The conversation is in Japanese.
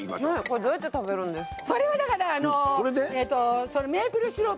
どうやって食べるんですか？